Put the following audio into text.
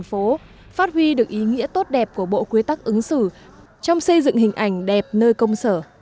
để phát tỏa những điều tốt đẹp của bộ quy tắc ứng xử trong xây dựng hình ảnh đẹp nơi công sở